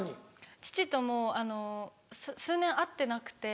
父ともう数年会ってなくて。